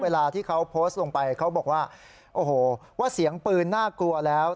เวลาที่เขาโพสต์ลงไปเขาบอกว่าโอ้โหว่าเสียงปืนน่ากลัวแล้ว